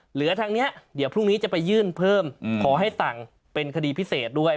เหลือทางนี้เดี๋ยวพรุ่งนี้จะไปยื่นเพิ่มขอให้สั่งเป็นคดีพิเศษด้วย